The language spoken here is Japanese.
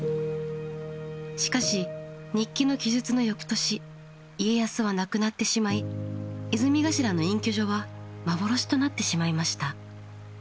しかし日記の記述の翌年家康は亡くなってしまい泉頭の隠居所は幻となってしまいました。